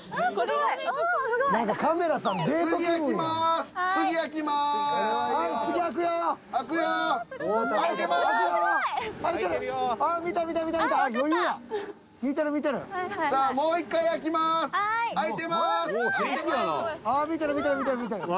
はい。